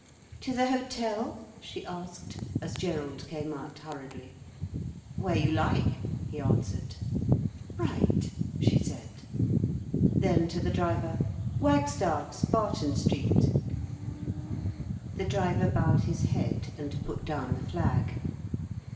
"To the hotel?" she asked, as Gerald came out, hurriedly. "Where you like," he answered. "Right!" she said. Then to the driver, "Wagstaff's—Barton Street." The driver bowed his head, and put down the flag.